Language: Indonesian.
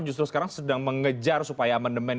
justru sekarang sedang mengejar supaya amandemen